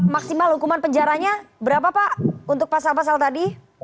maksimal hukuman penjaranya berapa pak untuk pasal pasal tadi